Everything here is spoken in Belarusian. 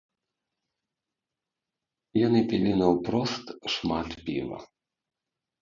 Яны пілі наўпрост шмат піва.